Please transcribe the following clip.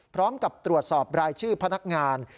พร้อมกับตรวจสอบรายชื่อพนักงาน